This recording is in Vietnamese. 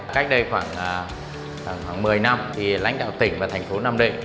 cách đây khoảng một mươi năm thì lãnh đạo tỉnh và thành phố nam định